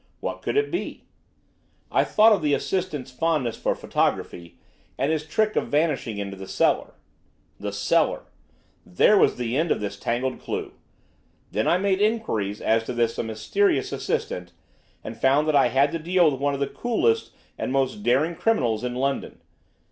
What could it be? I thought of the assistant's fondness for photography, and his trick of vanishing into the cellar. The cellar! There was the end of this tangled clue. Then I made inquiries as to this mysterious assistant and found that I had to deal with one of the coolest and most daring criminals in London.